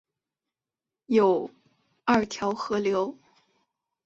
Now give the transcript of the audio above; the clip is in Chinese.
有二条河流